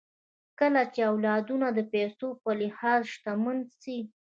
کله چې اولادونه د پيسو په لحاظ شتمن سي